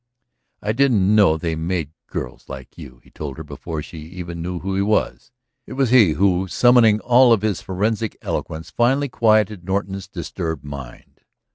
"I didn't know they made girls like you," he told her before she even knew who he was. It was he who, summoning all of his forensic eloquence, finally quieted Norton's disturbed mind.